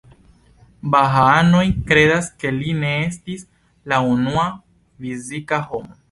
Bahaanoj kredas ke li ne estis la unua fizika homo.